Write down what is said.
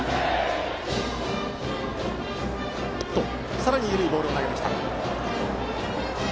さらに緩いボールを投げてきた。